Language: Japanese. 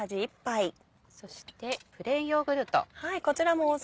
そしてプレーンヨーグルト。